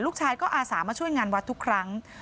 ลูกชายก็อาสามาช่วยงานวัดทุกครั้ง